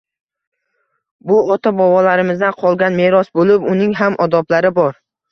Bu, ota-bobolarimizdan qolgan meros bo‘lib, uning ham odoblari bor.